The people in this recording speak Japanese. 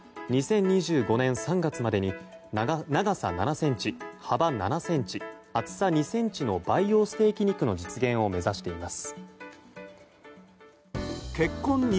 ２０２５年３月までに長さ７ｃｍ、幅７ｃｍ厚さ２ｃｍの培養ステーキ肉の実現を目指しています。